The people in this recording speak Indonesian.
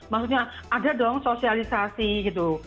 maksudnya ada dong sosialisasi gitu